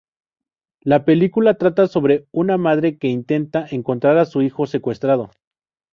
La película trata sobre una madre que intenta encontrar a su hijo secuestrado.